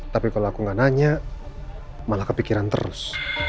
tapi kalau aku nggak nanya malah kepikiran terus